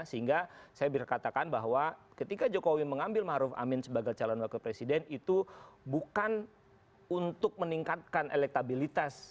sehingga saya bisa katakan bahwa ketika jokowi mengambil maruf amin sebagai calon wakil presiden itu bukan untuk meningkatkan elektabilitas